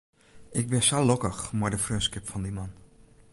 Ik bin sa lokkich mei de freonskip fan dy man.